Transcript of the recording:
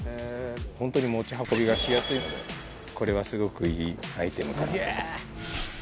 本当に持ち運びがしやすいので、これはすごくいいアイテムかなと。